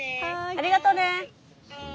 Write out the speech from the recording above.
ありがとうね。